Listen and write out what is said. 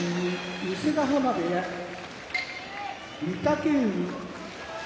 伊勢ヶ濱部屋御嶽海